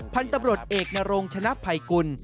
พันธุ์ตำรวจเอกนรงชนะภัยกุล